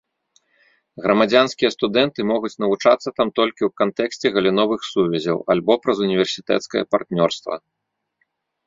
Грамадзянскія студэнты могуць вывучацца там толькі ў кантэксце галіновых сувязяў альбо праз універсітэцкае партнёрства.